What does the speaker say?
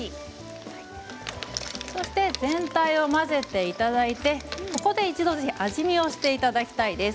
全体を混ぜていただいてここで一度味見をしていただきたいです。